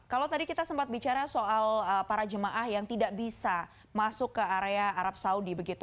kalau tadi kita sempat bicara soal para jemaah yang tidak bisa masuk ke area arab saudi